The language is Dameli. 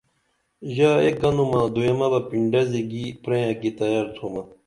ژا ایک گنہ دُیمہ بہ پِنڈازی گی پرئیں کی تیار تُھمہ